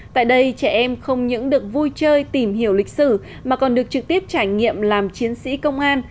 tại đây trẻ em không những được vui chơi tìm hiểu lịch sử mà còn được trực tiếp trải nghiệm làm chiến sĩ công an